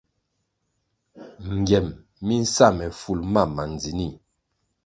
Ngiem mi nsa me ful mam ma ndzinih.